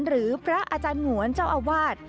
หรือพระอาจารย์หงวนเจ้าอาวาส